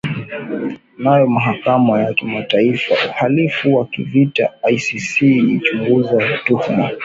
nayo mahakama ya kimataifa uhalifu wa kivita icc inachunguza tuhuma